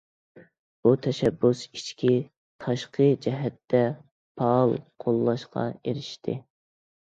بۇ تەشەببۇس ئىچكى- تاشقى جەھەتتە پائال قوللاشقا ئېرىشتى.